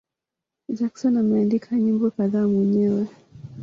Jackson ameandika nyimbo kadhaa mwenyewe.